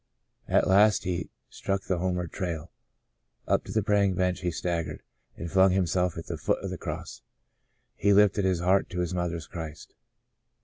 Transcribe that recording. At last he struck the homeward trail. Up to the praying bench he staggered, and flung himself at the foot of the Cross. He lifted his heart to his mother's Christ.